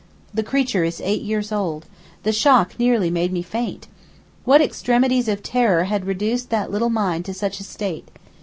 the creature is eight years old. The shock nearly made me faint. What extremities of terror had reduced that little mind to such a state.